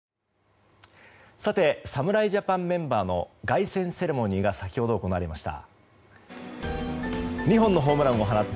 侍ジャパンメンバーの凱旋セレモニーが先ほど行われました。